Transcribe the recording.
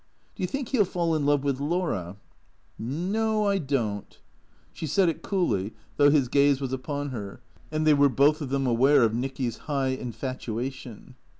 " Do you think he '11 fall in love with Laura ?"" No, I don't." She said it coolly, though his gaze was upon her, and they were both of them aware of Nicky's high infatua tion.